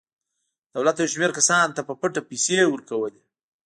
دولت یو شمېر کسانو ته په پټه پیسې ورکولې.